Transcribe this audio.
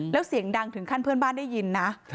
แล้วเสียงดังถึงขั้นเพื่อนบ้านได้ยินนะ